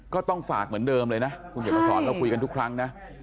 ก็ต้องฝากเหมือนเดิมเลยนะคุณเขียนมาสอนเราคุยกันทุกครั้งนะ